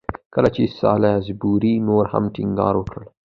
کله چې سالیزبوري نور هم ټینګار وکړ.